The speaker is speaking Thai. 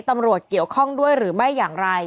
ตำรวจเกี่ยวข้องด้วยหรือไม่อย่างไร